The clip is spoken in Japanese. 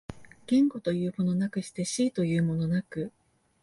言語というものなくして思惟というものなく、